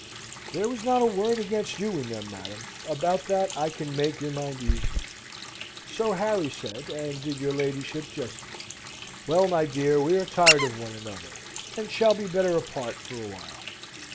"There was not a word against you in them, madam: about that I can make your mind easy." "So Harry said, and did your ladyship justice. Well, my dear, we are tired of one another, and shall be better apart for a while."